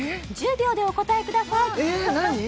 １０秒でお答えくださいえ何？